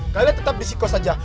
kalian tetap disiko saja